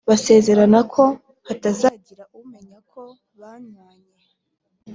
basezerana ko hatazagira umenya ko banywanye,